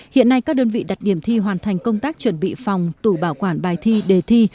hiện nay các đơn vị đặt điểm thi hoàn thành công tác chuẩn bị phòng tủ bảo quản bài thi đề thi